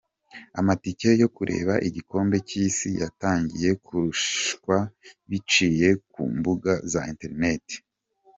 Amatike yo kureba igikombe cy’Isi yatangiye kugurishwa biciye ku mbuga za internet.